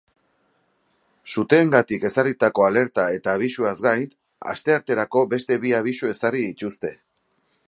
Suteengatik ezarritako alerta eta abisuaz gain, astearterako beste bi abisu ezarri dituzte.